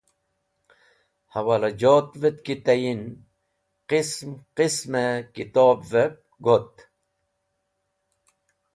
Hẽwolajotvẽt ki tayin qism qismẽ kitobvẽb got.